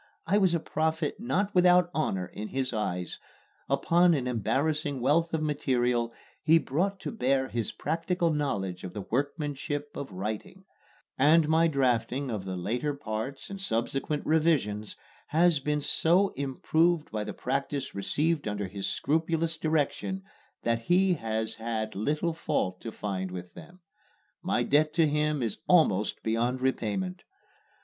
I was a prophet not without honor in his eyes. Upon an embarrassing wealth of material he brought to bear his practical knowledge of the workmanship of writing; and my drafting of the later parts and subsequent revisions has been so improved by the practice received under his scrupulous direction that he has had little fault to find with them. My debt to him is almost beyond repayment.